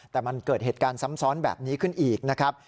แต่มันเกิดเหตุการณ์ซ้ำซ้อนแบบนี้ขึ้นอีกนะครับ